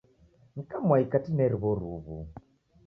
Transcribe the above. Ni kamwai katineri w'oruw'u.